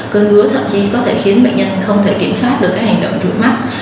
cơn ngứa thậm chí có thể khiến bệnh nhân không thể kiểm soát được các hành động thực mắt